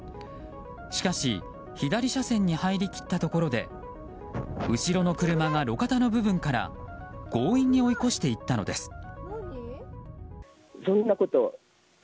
しかし左車線に入りきったところで後ろの車が路肩の部分から強引に追い越していったのです。